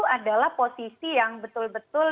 adalah posisi yang betul betul